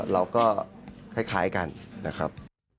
เราก็คล้ายกันนะครับ